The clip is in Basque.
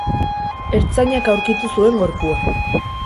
Ertzainak aurkitu zuen gorpua.